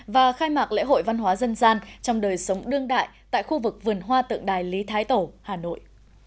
và khai mạc lễ hội văn hóa dân gian trong đời sống đương đại tại khu vực vườn hoa tượng đài lý thái tổ hà nội